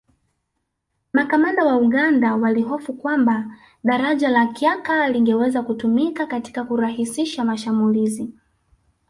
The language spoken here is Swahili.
Makamanda wa Uganda walihofu kwamba Daraja la Kyaka lingeweza kutumika katika kurahisisha mashamulizi